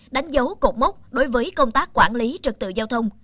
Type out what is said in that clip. đánh dấu cột mốc đối với công tác quản lý trật tự giao thông